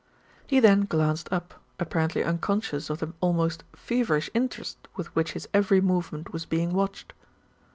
He then glanced up, apparently unconscious of the almost feverish interest with which his every movement was being watched.